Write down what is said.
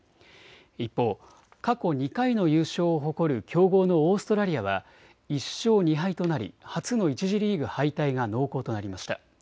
一方、過去２回の優勝を誇る強豪のオーストラリアは１勝２敗となり初の１次リーグ敗退が濃厚となりました。